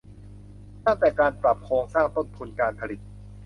ตั้งแต่การปรับโครงสร้างต้นทุนการผลิต